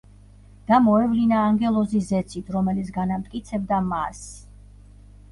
და მოევლინა ანგელოზი ზეცით, რომელიც განამტკიცებდა მას.